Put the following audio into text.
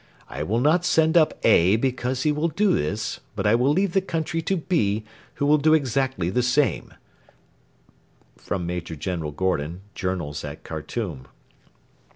I will not send up 'A' because he will do this, but I will leave the country to 'B', who will do exactly the same [Major General Gordon, JOURNALS AT KHARTOUM.